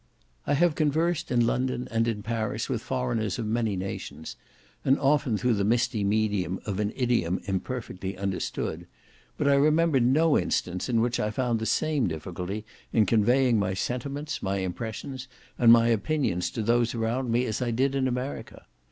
I have conversed in London and in Paris with foreigners of many nations, and often through the misty medium of an idiom imperfectly understood, but I remember no instance in which I found the same difficulty in conveying my sentiments, my impressions, and my opinions to those around me, as I did in America.